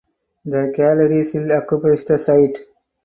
The Gallery still occupies the site.